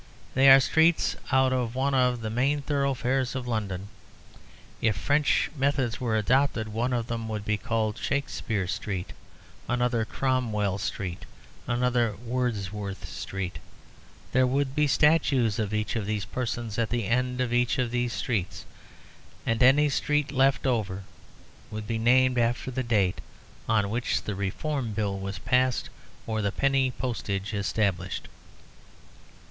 They are streets out of one of the main thoroughfares of London. If French methods were adopted, one of them would be called Shakspere Street, another Cromwell Street, another Wordsworth Street; there would be statues of each of these persons at the end of each of these streets, and any streets left over would be named after the date on which the Reform Bill was passed or the Penny Postage established.